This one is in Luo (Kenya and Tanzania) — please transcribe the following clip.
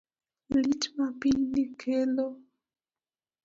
Lit ma pinyni kelo